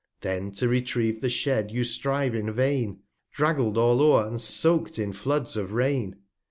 210 Then to retrieve the Shed you strive in vain, Draggled all o'er, and soak'd in Floods of Rain.